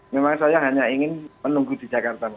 memang saya hanya ingin menunggu di jakarta